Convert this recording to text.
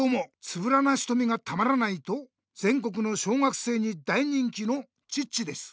つぶらなひとみがたまらないとぜん国の小学生に大人気のチッチです。